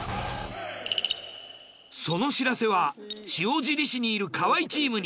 その知らせは塩尻市にいる河合チームに。